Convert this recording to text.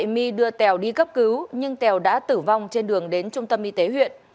my đưa tèo đi cấp cứu nhưng tèo đã tử vong trên đường đến trung tâm y tế huyện